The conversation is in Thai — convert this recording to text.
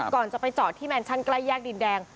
ก่อนจะไปจอดที่แมนชั่นใกล้แยกดินแดง